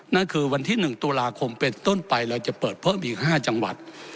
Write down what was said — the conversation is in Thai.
นั่นคือวันที่๑ตุลาคมเป็นต้นไปเราจะเปิดเพิ่มอีก๕จังหวัด